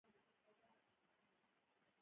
د ورموت اډر مو ورکړ او څښلو ته چمتو شول.